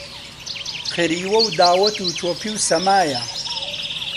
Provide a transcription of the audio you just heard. قریوە و داوەت و چۆپی و سەمایە